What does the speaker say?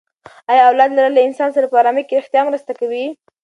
ایا اولاد لرل له انسان سره په ارامي کې ریښتیا مرسته کوي؟